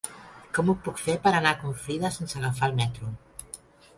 Com ho puc fer per anar a Confrides sense agafar el metro?